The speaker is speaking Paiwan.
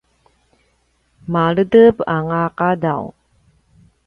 maledep anga qadaw